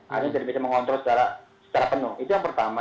akhirnya jadi bisa mengontrol secara penuh itu yang pertama